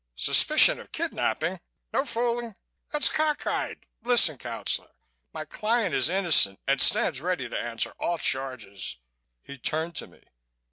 Suspicion of kidnapping?... No fooling?... That's cockeyed.... Listen, counselor, my client is innocent and stands ready to answer all charges " He turned to me.